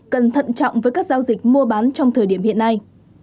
cần thận trọng với các giao dịch mua bán trong thời điểm hiện nay